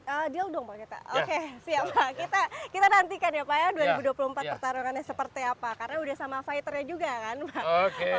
oke deal dong pak kita oke siap pak kita nantikan ya pak ya dua ribu dua puluh empat pertarungannya seperti apa karena udah sama fighternya juga kan pak